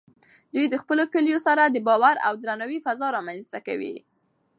دوی د خپلو کلیوالو سره د باور او درناوي فضا رامینځته کوي.